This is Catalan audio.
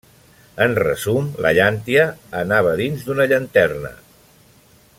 En resum: la llàntia anava dins d’una llanterna.